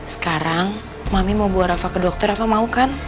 sekarang mami mau buat rafa ke dokter rafa mau kan